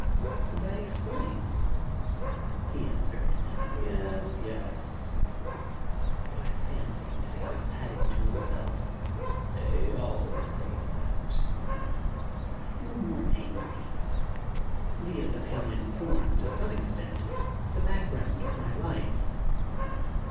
And I explained. He answered, "Yes, yes," but I fancied that he was adding to himself "They all say that." I grew more angry. Lea's opinion formed, to some extent, the background of my life.